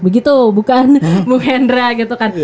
begitu bukan bung henra gitu kan